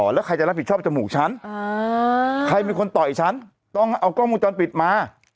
แล้วใครจะรับผิดชอบจมูกฉันใครเป็นคนต่อยฉันต้องเอากล้องวงจรปิดมา